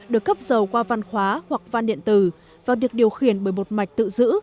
được cấp dầu qua văn khóa hoặc văn điện tử và được điều khiển bởi một mạch tự giữ